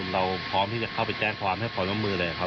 เราพร้อมที่จะเข้าไปแจ้งความให้ความร่วมมือเลยครับ